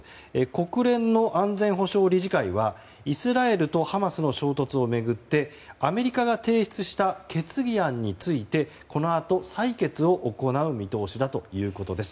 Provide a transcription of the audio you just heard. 国連の安全保障理事会はイスラエルとハマスの衝突を巡ってアメリカが提出した決議案についてこのあと採決を行う見通しだということです。